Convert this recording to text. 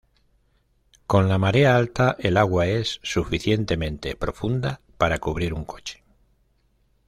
Con la marea alta, el agua es suficientemente profunda para cubrir un coche.